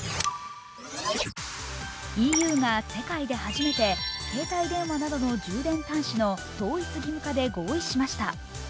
ＥＵが世界で初めて携帯電話などの充電端子の統一義務化で合意しました。